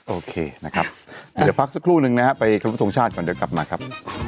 โอเคนะครับเดี๋ยวพักสักครู่นึงนะครับไปครบทรงชาติก่อนเดี๋ยวกลับมาครับ